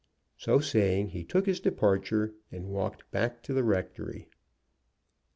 So saying, he took his departure and walked back to the rectory.